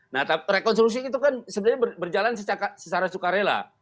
nah rekonstruksi itu kan sebenarnya berjalan secara sukarela